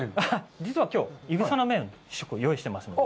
実はきょう、いぐさの麺、用意してますので。